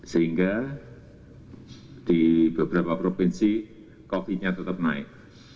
sehingga di beberapa provinsi covid sembilan belas tetap naik